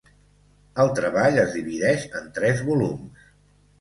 El treball es divideix en tres volums.